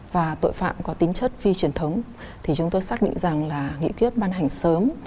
và tội phạm có tính chất phi truyền thống thì chúng tôi xác định rằng là nghị quyết ban hành sớm